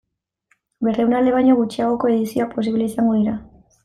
Berrehun ale baino gutxiagoko edizioak posibleak izango dira.